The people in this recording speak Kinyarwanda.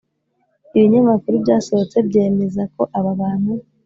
ibinyamakuru byasohotse byemeza ko aba bantu